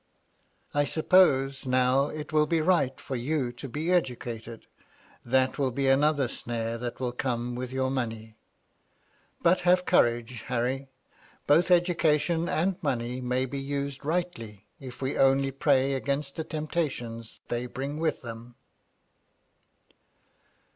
I suppose, now, it will be right for you to be educated. That will be another snare that will come with your money. But have courage, Harry. Both education and money may be used rightly, if we only pray against the temptations they bring with them."